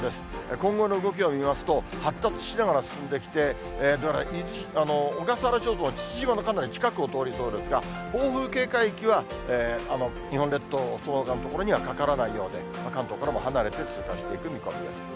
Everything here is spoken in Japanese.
今後の動きを見ますと、発達しながら進んできて、どうやら小笠原諸島、父島のかなり近くを通りそうですが、暴風警戒海域は日本列島、そのほかの所にはかからないようで、関東からも離れて通過していく見込みです。